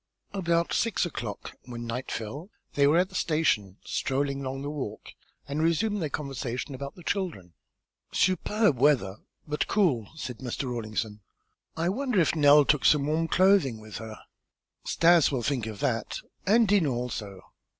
About six o'clock, when night fell, they were at the station, strolling along the walk, and resumed their conversation about the children. "Superb weather, but cool," said Mr. Rawlinson. "I wonder if Nell took some warm clothing with her." "Stas will think of that, and Dinah also."